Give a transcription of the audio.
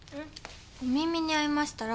『お耳に合いましたら。』